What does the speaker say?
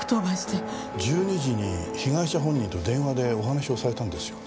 １２時に被害者本人と電話でお話をされたんですよね？